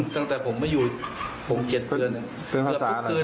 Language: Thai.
ตั้งแต่ผมไม่อยู่หกเจ็ดเดือนคือนั้นฟังฟัสาอะไร